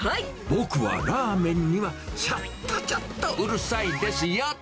僕はラーメンには、ちょっとちょっとうるさいですよ。